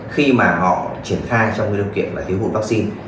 khi mà họ triển khai trong nguyên liệu kiện là thiếu hụt vaccine